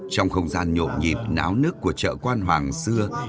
trong không gian nhộn nhịp náo nức của chợ quan hoàng xưa